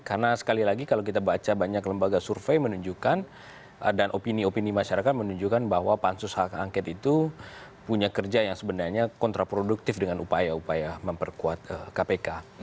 karena sekali lagi kalau kita baca banyak lembaga survei menunjukkan dan opini opini masyarakat menunjukkan bahwa pansus h angke itu punya kerja yang sebenarnya kontraproduktif dengan upaya upaya memperkuat kpk